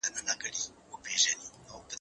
زه به سبا د ښوونځي کتابونه مطالعه وکړم!!